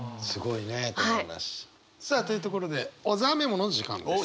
さあというところで小沢メモの時間です。